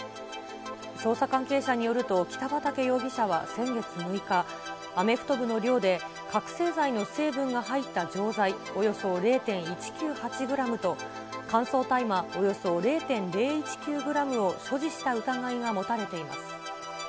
捜査関係者によると、北畠容疑者は先月６日、アメフト部の寮で、覚醒剤の成分が入った錠剤およそ０．１９８グラムと、乾燥大麻およそ０．０１９グラムを所持した疑いが持たれています。